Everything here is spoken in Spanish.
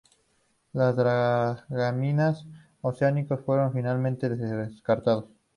Los dragaminas oceánicos fueron finalmente descartados.